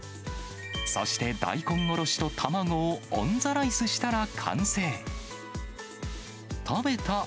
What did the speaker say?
そして大根おろしと卵をオンザライスしたら完成。